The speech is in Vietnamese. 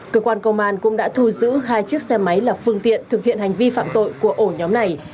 cơ quan công an cũng đã thu giữ hai chiếc xe máy là phương tiện thực hiện hành vi phạm tội của ổ nhóm này